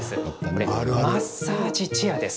これ、マッサージチェアです。